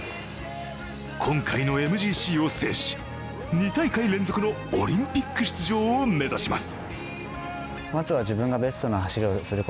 今回のＭＧＣを制し、２大会連続のオリンピック出場を目指します。